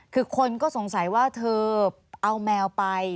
คือคนก็สงสัยว่าเธอเอาแมวไป